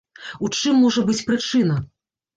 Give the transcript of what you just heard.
У чым можа быць прычына?